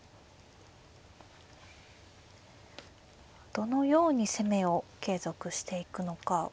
どのように攻めを継続していくのか。